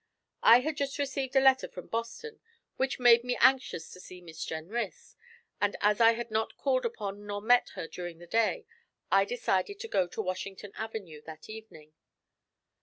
I had just received a letter from Boston which made me anxious to see Miss Jenrys; and as I had not called upon nor met her during the day, I decided to go to Washington Avenue that evening.